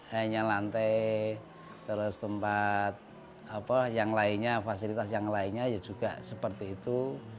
hanya lantai terus tempat fasilitas yang lainnya juga seperti itu